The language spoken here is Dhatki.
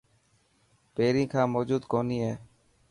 پهرين کان موجود ڪونهي هي؟